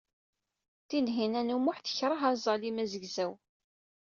Tinhinan u Muḥ tekreh aẓalim azegzaw.